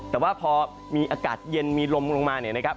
แต่ว่าพอมีอากาศเย็นมีลมลงมาเนี่ยนะครับ